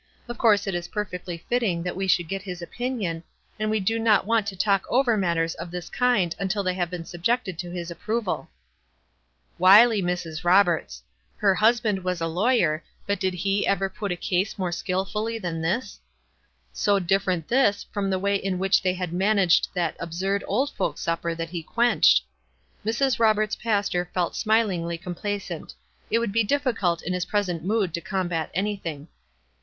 Of course it is perfectly fitting that we should get his opinion, and we do not want to talk over matters of this kind until they have been subjected to his approval.'" 222 WISE AND OTHERWISE. 223 Wily Mrs. Roberts ! Her husband was a lawyer ; but did he ever put a case more skill fully than this? So different this from the way in which they had managed that absurd old folks' supper that he quenched. Mrs. Roberts' pastor felt smilingly complacent. It would be diffi cult in his present mood to combat anything.